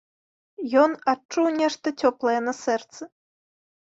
Ён адчуў нешта цёплае на сэрцы.